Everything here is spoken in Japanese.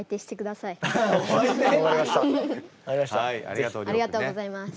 ありがとうございます。